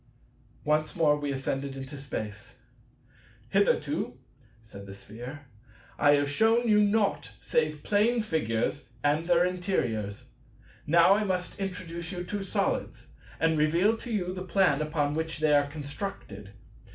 Once more we ascended into space. "Hitherto," said the Sphere, "I have shewn you naught save Plane Figures and their interiors. Now I must introduce you to Solids, and reveal to you the plan upon which they are constructed.